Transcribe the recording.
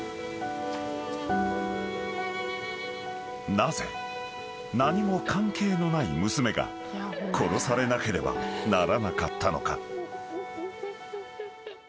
［なぜ何も関係のない娘が殺されなければならなかったのか？］